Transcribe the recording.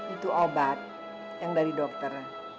itu obat yang dari dokter